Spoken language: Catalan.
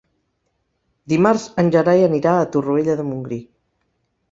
Dimarts en Gerai anirà a Torroella de Montgrí.